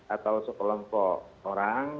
atau sekelompok orang lain